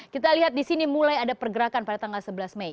kita lihat di sini mulai ada pergerakan pada tanggal sebelas mei